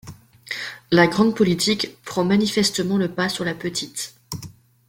La grande politique prend manifestement le pas sur la petite.